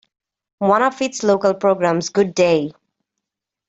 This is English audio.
One of its local programs, Good Day!